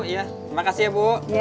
terima kasih ya bu